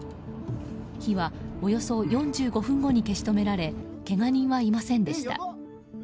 火はおよそ４５分後に消し止められけが人はいませんでした。